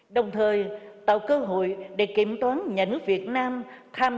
đồng thời tạo cơ hội để kiểm toán nhà nước việt nam tham